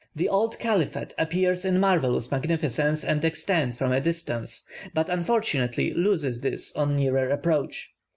The old caliphate appears in marvellous magnificence and extent from a distance, but unfortunately loses this on nearer approach.